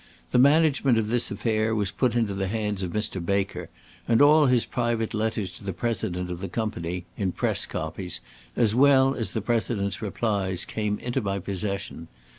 The management of this affair was put into the hands of Mr. Baker, and all his private letters to the President of the Company, in press copies, as well as the President's replies, came into my possession.